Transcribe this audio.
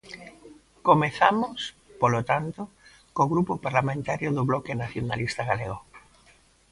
Comezamos, polo tanto, co Grupo Parlamentario do Bloque Nacionalista Galego.